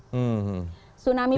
tidak ada tsunami politik